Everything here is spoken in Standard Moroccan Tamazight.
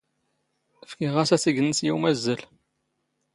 ⴼⴽⵉⵖ ⴰⵙ ⴰⵜⵉⴳ ⵏⵏⵙ ⵉ ⵓⵎⴰⵣⵣⴰⵍ.